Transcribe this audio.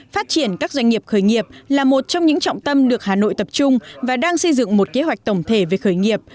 phát triển các doanh nghiệp khởi nghiệp là một trong những trọng tâm được hà nội tập trung và đang xây dựng một kế hoạch tổng thể về khởi nghiệp